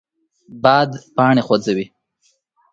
باد پاڼې خوځوي